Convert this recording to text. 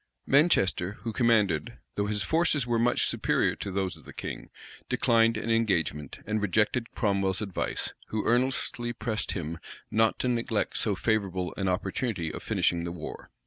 Manchester, who commanded, though his forces were much superior to those of the king, declined an engagement, and rejected Cromwell's advice, who earnestly pressed him not to neglect so favorable an opportunity of finishing the war.